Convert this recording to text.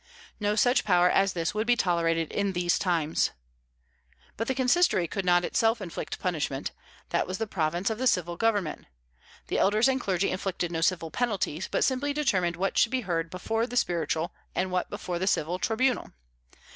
No such power as this would be tolerated in these times. But the consistory could not itself inflict punishment; that was the province of the civil government. The elders and clergy inflicted no civil penalties, but simply determined what should be heard before the spiritual and what before the civil tribunal.